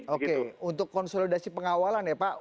oke untuk konsolidasi pengawalan ya pak